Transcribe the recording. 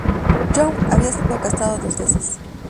Young había estado casado dos veces.